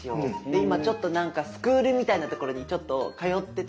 で今ちょっとなんかスクールみたいなところに通ってて。